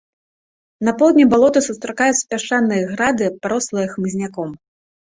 На поўдні балота сустракаюцца пясчаныя грады, парослыя хмызняком.